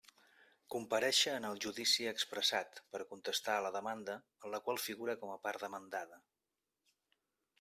Comparéixer en el judici expressat, per a contestar a la demanda, en la qual figura com a part demandada.